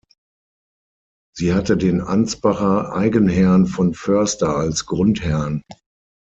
Sie hatte den Ansbacher Eigenherrn von Förster als Grundherrn.